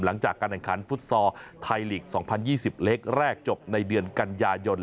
หลังจากการแข่งขันฟุตซอลไทยลีก๒๐๒๐เล็กแรกจบในเดือนกันยายน